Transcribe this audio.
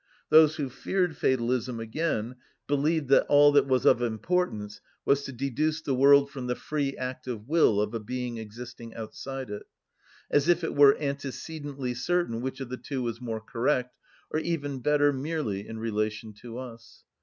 Those who feared fatalism, again, believed that all that was of importance was to deduce the world from the free act of will of a being existing outside it; as if it were antecedently certain which of the two was more correct, or even better merely in relation to us.